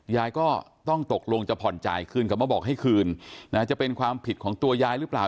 ยายก็ต้องตกลงจะผ่อนจ่ายคืนคำว่าบอกให้คืนนะจะเป็นความผิดของตัวยายหรือเปล่า